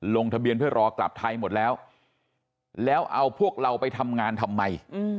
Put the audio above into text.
ลงทะเบียนเพื่อรอกลับไทยหมดแล้วแล้วเอาพวกเราไปทำงานทำไม